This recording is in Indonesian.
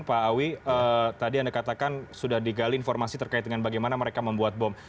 pak awi tadi anda katakan sudah digali informasi terkait dengan bagaimana mereka membuat bom